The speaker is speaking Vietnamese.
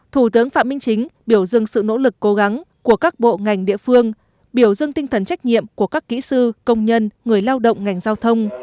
thủ tướng phạm minh chính biểu dưng sự nỗ lực cố gắng của các bộ ngành địa phương biểu dưng tinh thần trách nhiệm của các kỹ sư công nhân người lao động ngành giao thông